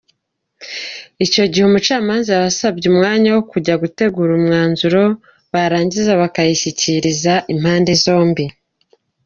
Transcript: Icyo gihe umucamanza yabahaye umwanya wo kujya gutegura imyanzuro barangiza bakayishyikiriza impande zombi.